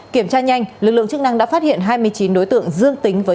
kiểm tra nhanh lực lượng chức năng đã phát hiện hai mươi chín đối tượng dương tính với